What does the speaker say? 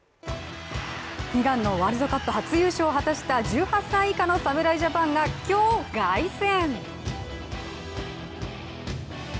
悲願のワールドカップ初優勝した１８歳以下の侍ジャパンが今日凱旋。